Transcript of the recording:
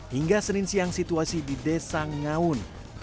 hingga senin siang situasi di desa ngaun